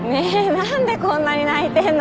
なんでこんなに泣いてんの？